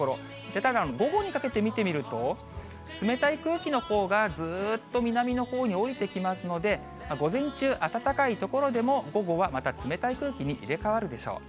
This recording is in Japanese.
ただ、午後にかけて見てみると、冷たい空気のほうがずっと南のほうに下りてきますので、午前中、暖かい所でも午後はまた冷たい空気に入れ代わるでしょう。